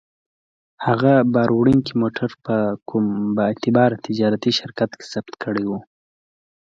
هغه باروړونکی موټر په کوم با اعتباره تجارتي شرکت کې ثبت کړی و.